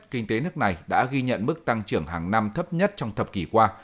kinh tế nước này đã ghi nhận mức tăng trưởng hàng năm thấp nhất trong thập kỷ qua